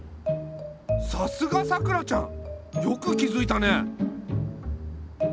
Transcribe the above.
さすがさくらちゃんよく気づいたね。